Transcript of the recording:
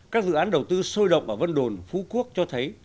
các dự án đầu tư sôi động ở vân đồn phú quốc cho thấy